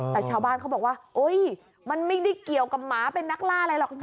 แต่ชาวบ้านเขาบอกว่ามันไม่ได้เกี่ยวกับหมาเป็นนักล่าอะไรหรอก